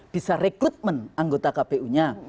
bisa rekrutmen anggota kpu nya